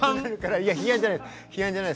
いや批判じゃない。